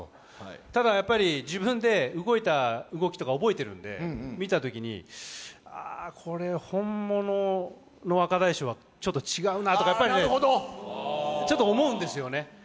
ただ、やっぱり自分で動いた動きとか覚えてるんで、見たときに、ああ、これ、本物の若大将はちょっと違うなとか、やっぱりね、ちょっと思うんですよね。